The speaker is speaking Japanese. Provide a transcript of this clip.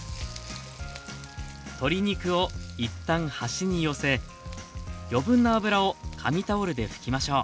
鶏肉を一旦端に寄せ余分な脂を紙タオルで拭きましょう